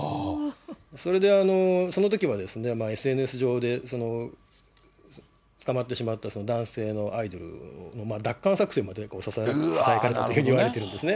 それで、そのときは、ＳＮＳ上で捕まってしまった男性のアイドル、奪還作戦などがささやかれたといわれているんですね。